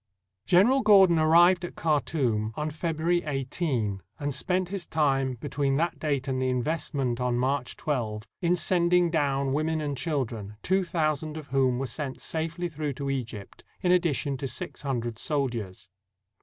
] General Gordon arrived at Khartoum on February 18, and spent his time between that date and the invest ment on March 12, in sending down women and children, two thousand of whom were sent safely through to Egypt, in addition to six hundred soldiers.